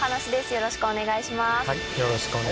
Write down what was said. よろしくお願いします。